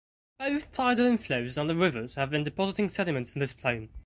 Both tidal inflows and the rivers have been depositing sediments in this plain.